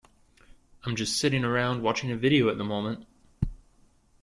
I'm just sitting around watching a video at the moment.